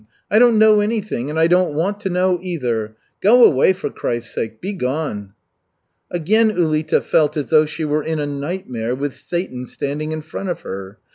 I don't know anything, and I don't want to know either. Go away, for Christ's sake, be gone!" Again Ulita felt as though she were in a nightmare with Satan standing in front of her.